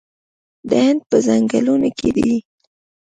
د هند په ځنګلونو کې دي